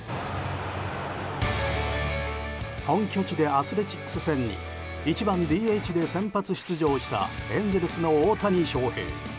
本拠地でアスレチックス戦に１番ＤＨで先発出場したエンゼルスの大谷翔平。